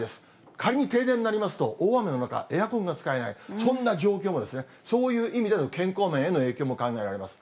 仮に停電になりますと、大雨の中、エアコンが使えない、そんな状況も、そういう意味での健康面への影響も考えられます。